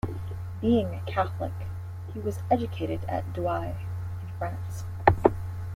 Being a Catholic, he was educated at Douai in France.